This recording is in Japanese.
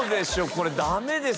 これダメですよ